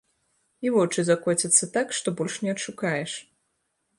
І вочы закоцяцца так, што больш не адшукаеш.